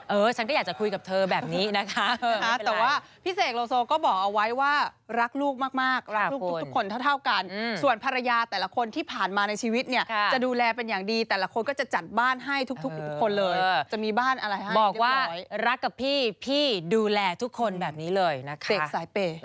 ฉันก็อยากจะคุยกับเธอแบบนี้นะคะแต่ว่าพี่เสกโลโซก็บอกเอาไว้ว่ารักลูกมากรักลูกทุกคนเท่ากันส่วนภรรยาแต่ละคนที่ผ่านมาในชีวิตเนี่ยจะดูแลเป็นอย่างดีแต่ละคนก็จะจัดบ้านให้ทุกคนเลยจะมีบ้านอะไรคะบอกว่ารักกับพี่พี่ดูแลทุกคนแบบนี้เลยนะคะเสกสายเปย์